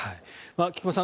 菊間さん